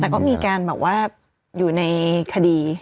แต่ก็มีการแบบว่าอยู่ในคดี